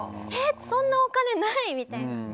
そんなお金ない！みたいな。